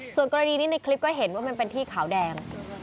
ส่วนกรณีนี้ในคลิปก็เห็นว่ามันเป็นที่ขาวแดง